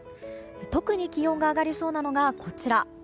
特に気温が上がりそうなのがこちら。